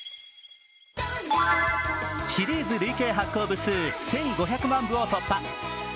シリーズ累計発行部数１５００万部を突破。